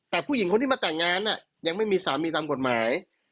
แต่ผู้หญิงคนที่มาแต่งงานยังไม่มีสามีตามกฎหมาย